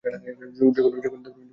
যোগেন্দ্র অধীরপ্রকৃতির লোক।